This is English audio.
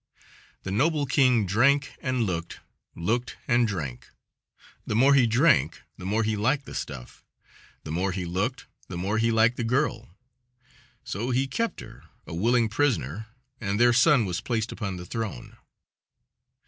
The noble king drank and looked, looked and drank the more he drank the more he liked the stuff; the more he looked the more he liked the girl. So he kept her, a willing prisoner, and their son was placed upon the throne.